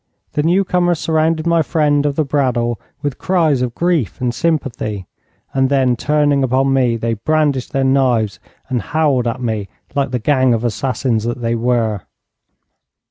The new comers surrounded my friend of the brad awl with cries of grief and sympathy, and then, turning upon me, they brandished their knives and howled at me like the gang of assassins that they were.